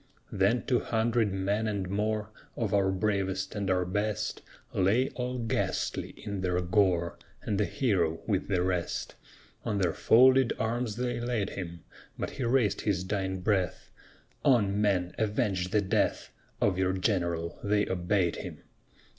Then two hundred men and more, Of our bravest and our best, Lay all ghastly in their gore, And the hero with the rest. On their folded arms they laid him; But he raised his dying breath: "On, men, avenge the death Of your general!" They obeyed him.